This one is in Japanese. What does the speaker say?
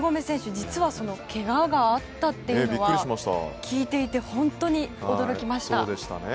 実は、けががあったというのは聞いていて、本当に驚きました。